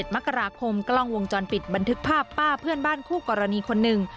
มกราคมกล้องวงจรปิดบันทึกภาพป้าเพื่อนบ้านคู่กรณีคนหนึ่ง